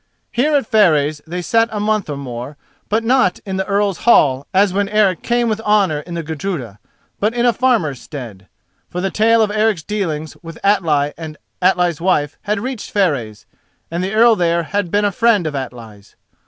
Here at Fareys they sat a month or more; but not in the Earl's hall as when Eric came with honour in the Gudruda, but in a farmer's stead. For the tale of Eric's dealings with Atli and Atli's wife had reached Fareys, and the Earl there had been a friend of Atli's.